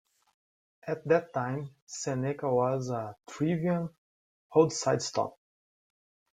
At that time Seneca was a thriving roadside stop.